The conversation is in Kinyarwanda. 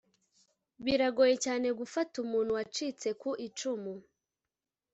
biragoye cyane gufata umuntu wacitse ku icumu